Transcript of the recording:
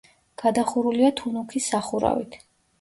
გადახურულია თუნუქის სახურავით.